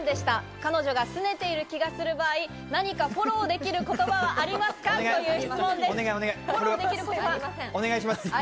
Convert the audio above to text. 彼女がスネている気がする場合、何かフォローできる言葉はありますか？という質問です。